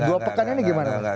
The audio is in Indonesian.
dua pekan ini gimana